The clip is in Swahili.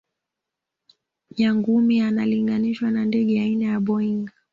nyangumi analinganishwa na ndege aina ya boeing